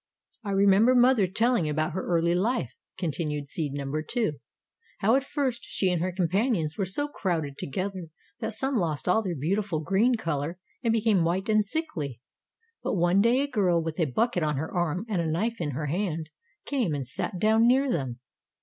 "I remember mother telling about her early life," continued seed number Two, "how at first she and her companions were so crowded together that some lost all their beautiful green color and became white and sickly. But one day a girl, with a bucket on her arm and a knife in her hand, came and sat down near them.